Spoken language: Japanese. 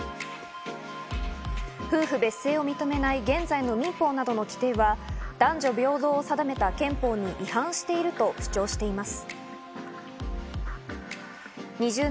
夫婦別姓を認めない現在の民法などの規定は男女平等を定めた憲法に違反していると主張しています。